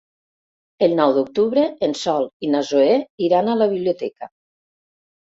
El nou d'octubre en Sol i na Zoè iran a la biblioteca.